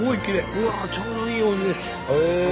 うわっちょうどいいお湯です。